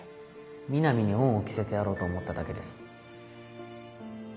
南に恩を着せてやろうと思っただけです。